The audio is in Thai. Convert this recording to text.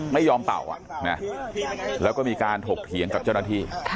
ไม่ยอมเป่าแล้วก็มีการถกเถียงกับเจ้าหน้าที่